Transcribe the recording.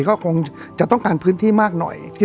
ก็คงจะต้องการพื้นที่มากหน่อย